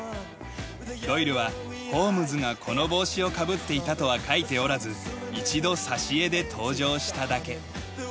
ドイルはホームズがこの帽子をかぶっていたとは書いておらず一度挿絵で登場しただけ。